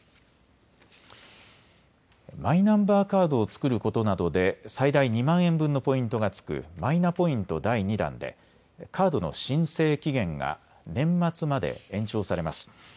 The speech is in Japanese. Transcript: マイナンバーカードを作ることなどで最大２万円分のポイントがつくマイナポイント第２弾でカードの申請期限が年末まで延長されます。